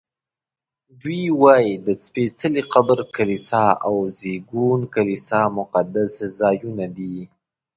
دوی وایي د سپېڅلي قبر کلیسا او د زېږون کلیسا مقدس ځایونه دي.